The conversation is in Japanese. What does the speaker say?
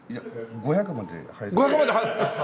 ５００まで入る！